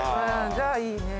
じゃあいいね。